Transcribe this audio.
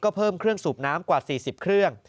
ก็เพิ่มเครื่องสูบน้ำกว่า๔๐เครื่อง